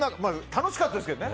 楽しかったですけどね。